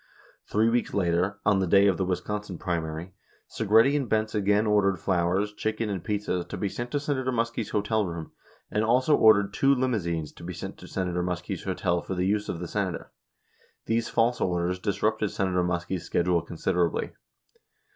24 Three weeks later, on the day of the Wisconsin primary, Segretti and Benz again ordered flowers, chicken and pizzas to be sent to Senator Muskie's hotel room, and also ordered two limousines to be sent to Senator Muskie's hotel for the use of the Senator. These false' orders disrupted Senator Muskie's schedule considerably.